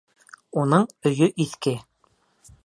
Уның өйө иҫке.